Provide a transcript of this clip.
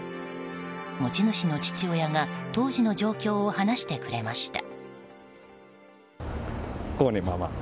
持ち主の父親が当時の状況を話してくれました。